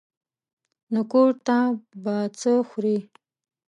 نو کور ته به څه خورې.